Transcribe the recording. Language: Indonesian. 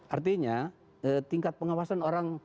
artinya tingkat pengawasan orang